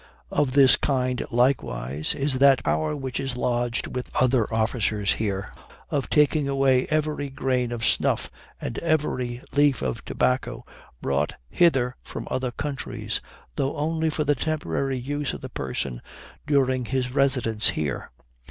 Of this kind, likewise, is that power which is lodged with other officers here, of taking away every grain of snuff and every leaf of tobacco brought hither from other countries, though only for the temporary use of the person during his residence here.